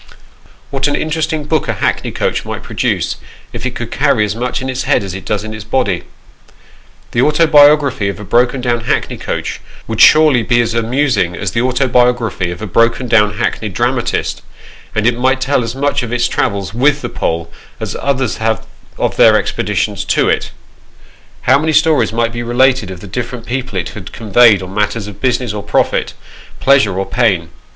What an interesting book a hackney coach might produce, if it could carry as much in its head as it does in its body ! The autobiography of a broken down hackney coach, would surely be as amusing as the autobiography of a broken down hackneyed dramatist ; and it might tell as much of its travels with the pole, as others have of their expeditions to it. How many stories might be related of the different people it had conveyed on matters of business or profit pleasure or pain